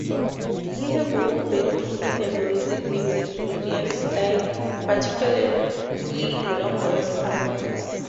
He wrote very competent music in the Georgian style, particularly long Verse Anthems.